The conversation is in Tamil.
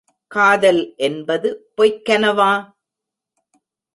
காதல் என்பது பொய்க்கனவா?